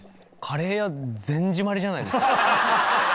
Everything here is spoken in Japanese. カレー屋全閉まりじゃないですか？